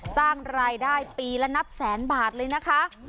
สร้างรายได้ปีละนับแสนบาทเลยนะคะ